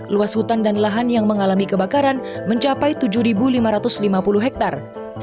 luas hutan dan lahan yang mengalami kebakaran mencapai tujuh lima ratus lima puluh hektare